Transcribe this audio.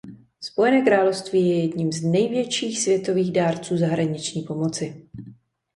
Spojené království je jedním z největších světových dárců zahraniční pomoci.